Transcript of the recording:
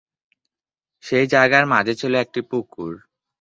সেই জায়গার মাঝে ছিল একটি পুকুর।